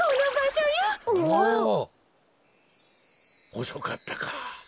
おそかったか。